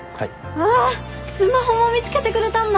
うわっスマホも見つけてくれたんだ。